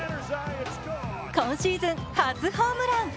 今シーズン初ホームラン。